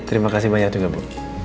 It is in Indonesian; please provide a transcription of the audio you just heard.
terima kasih banyak juga bu